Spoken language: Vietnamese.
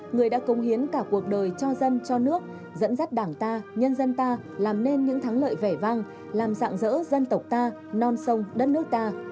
người đã công hiến cả cuộc đời cho dân cho nước dẫn dắt đảng ta nhân dân ta làm nên những thắng lợi vẻ vang làm dạng dỡ dân tộc ta non sông đất nước ta